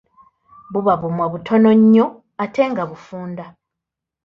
Buba bumwa butono nnyo ate nga bufunda.